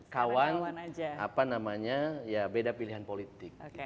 kawan apa namanya ya beda pilihan politik